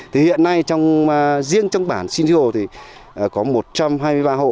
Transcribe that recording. thì hiện nay trong riêng trong bản xin thiêu hồ thì có một trăm hai mươi ba hộ